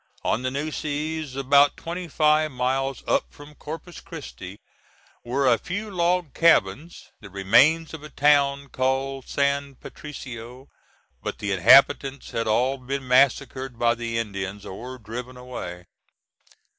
On the Nueces, about twenty five miles up from Corpus Christi, were a few log cabins, the remains of a town called San Patricio, but the inhabitants had all been massacred by the Indians, or driven away.